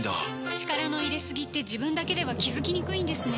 力の入れすぎって自分だけでは気付きにくいんですね